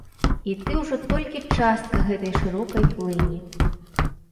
І ты ўжо толькі частка гэтай шырокай плыні.